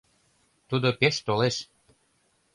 Тудо пеш толеш